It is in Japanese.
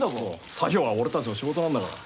作業は俺たちの仕事なんだから。